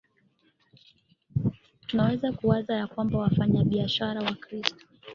Tunaweza kuwaza ya kwamba wafanyabiashara Wakristo